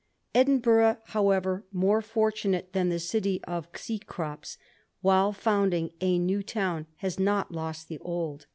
Edinburgh, however, more fortunate than the city of Cecrops, while founding a new town has not lost the old.